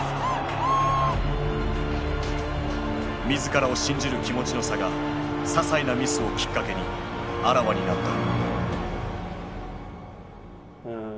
自らを信じる気持ちの差がささいなミスをきっかけにあらわになった。